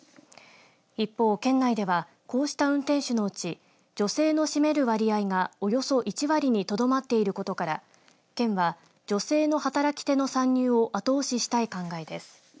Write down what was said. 一方、県内ではこうした運転手のうち女性の占める割合がおよそ１割にとどまっていることから県は女性の働き手の参入を後押ししたい考えです。